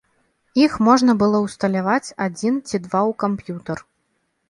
Іх можна было ўсталяваць адзін ці два ў камп'ютар.